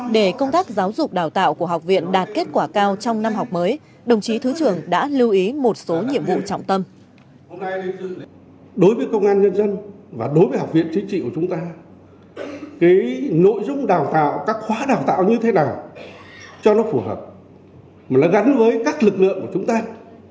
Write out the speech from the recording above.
để công tác giáo dục đào tạo của học viện đạt kết quả cao trong năm học mới đồng chí thứ trưởng đã lưu ý một số nhiệm vụ trọng tâm